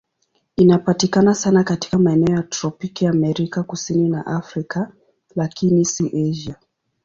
Inapatikana sana katika maeneo ya tropiki Amerika Kusini na Afrika, lakini si Asia.